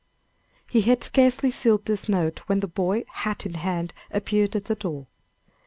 He had scarcely sealed this note, when the boy, hat in hand, appeared at the door.